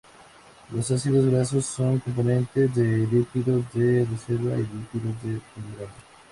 Los ácidos grasos son componentes de lípidos de reserva y lípidos de membrana.